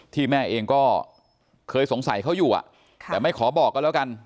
แม่เองก็เคยสงสัยเขาอยู่แต่ไม่ขอบอกกันแล้วกัน